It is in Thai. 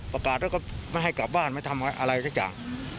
ประกาศแล้วก็ไม่ให้กลับบ้านไม่ทำอะไรสักอย่าง